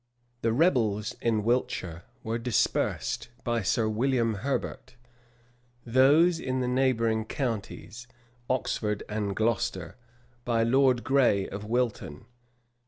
The rebels in Wiltshire were dispersed by Sir William Herbert: those in' the neighboring counties, Oxford and Glocester, by Lord Gray, of Wilton.